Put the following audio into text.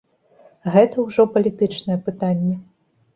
Гэта ўжо палітычнае пытанне.